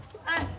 はい。